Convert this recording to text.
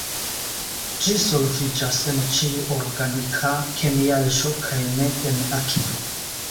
Ĝi solviĝas en ĉiu organika kemiaĵo kaj ne en akvo.